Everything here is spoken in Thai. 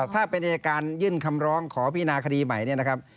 ถ้าเป็นอายการยื่นคำร้องขอพินาคดีใหม่เนี่ยนะครับ